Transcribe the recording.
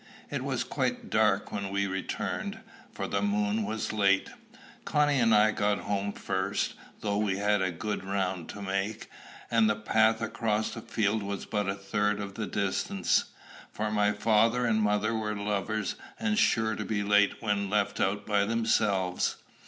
It was quite dark when we returned, for the moon was late. Connie and I got home first, though we had a good round to make, and the path across the fields was but a third of the distance; for my father and mother were lovers, and sure to be late when left out by themselves.